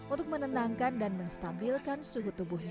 untuk menenangkan dan menstabilkan suhu tubuhnya